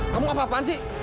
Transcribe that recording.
kamu apa apaan sih